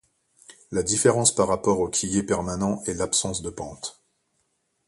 La différence par rapport au quillier permanent est l’absence de pente.